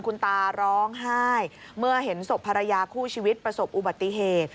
คุณตาร้องไห้เมื่อเห็นศพภรรยาคู่ชีวิตประสบอุบัติเหตุ